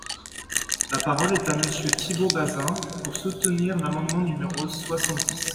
La parole est à Monsieur Thibault Bazin, pour soutenir l’amendement numéro soixante-dix.